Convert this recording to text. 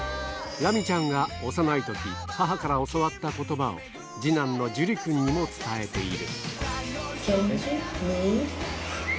ラミちゃんが幼いとき、母から教わったことばを、次男のジュリくんにも伝えている。